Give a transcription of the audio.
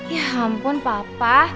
ya ampun papa